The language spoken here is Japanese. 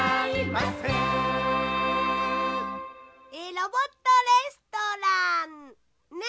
「ロボットレストラン」ね。